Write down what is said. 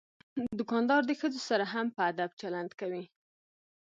دوکاندار د ښځو سره هم په ادب چلند کوي.